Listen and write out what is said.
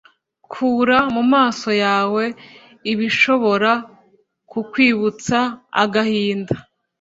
Kura mu maso yawe ibishobora kukwibutsa agahinda